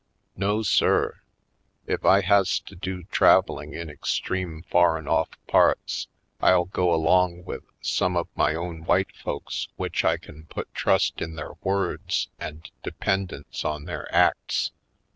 No sir, if I has to do traveling in extreme foreign ofif parts I'll go along with some of my own white folks which I can put trust in their words and dependence on their acts.